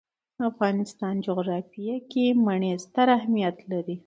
د افغانستان جغرافیه کې منی ستر اهمیت لري.